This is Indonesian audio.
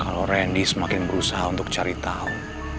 kalau randy semakin berusaha untuk cari tahu